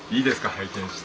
拝見して。